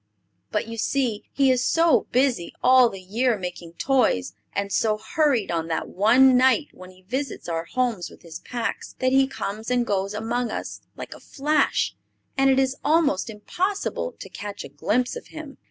But, you see, he is so busy all the year making toys, and so hurried on that one night when he visits our homes with his packs, that he comes and goes among us like a flash; and it is almost impossible to catch a glimpse of him.